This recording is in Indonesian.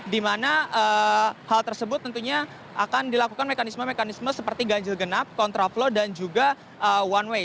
di mana hal tersebut tentunya akan dilakukan mekanisme mekanisme seperti ganjil genap kontraflow dan juga one way